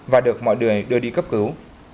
và được mọi người đưa đi cấp cứu